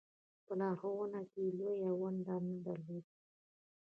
په لارښوونه کې یې لویه ونډه نه درلوده.